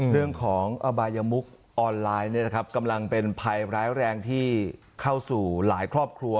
เรื่องของอบายมุกออนไลน์กำลังเป็นภัยร้ายแรงที่เข้าสู่หลายครอบครัว